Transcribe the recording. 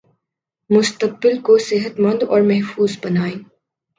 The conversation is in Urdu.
مستقبل کو صحت مند اور محفوظ بنائیں